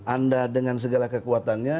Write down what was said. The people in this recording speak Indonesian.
anda dengan segala kekuatannya